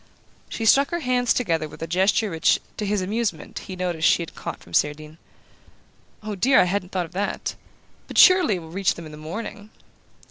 She struck her hands together with a gesture which, to his amusement, he noticed she had caught from Cerdine. "Oh, dear, I hadn't thought of that! But surely it will reach them in the morning?"